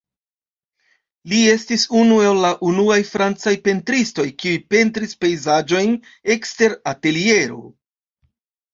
Li estis unu el la unuaj francaj pentristoj kiuj pentris pejzaĝojn ekster ateliero.